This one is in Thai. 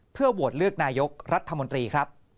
เพื่อโหวตเลือกนายกรัฐมนตรีครับ